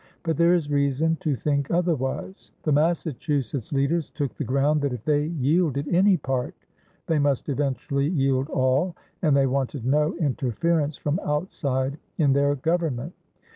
But there is reason to think otherwise. The Massachusetts leaders took the ground that if they yielded any part they must eventually yield all, and they wanted no interference from outside in their government.